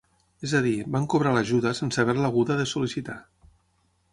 És a dir, van cobrar l’ajuda sense d’haver-la haguda de sol·licitar.